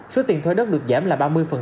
số tiền thuê đất được giảm là ba mươi